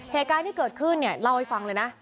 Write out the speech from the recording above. เหตุการณ์ที่เกิดขึ้นเนี่ยเล่าให้ฟังเลยนะ